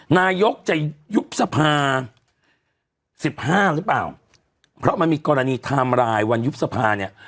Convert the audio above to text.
นายกจะยุบสภาสิบห้าหรือเปล่าเพราะมันมีกรณีไทม์ไลน์วันยุบสภาเนี่ย